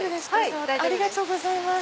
ありがとうございます。